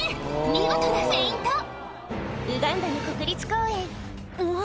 見事なフェイントウガンダの国立公園んっ？